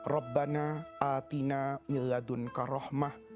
rabbana atina milladun karohmah